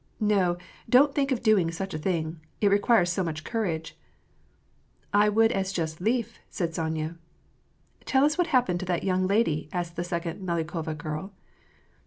" No, don't think of doing such a thing, it requires so much courage." " I would just as lief," said Sonya. "Tell us what happened to that young lady," asked the second Melyukova girl.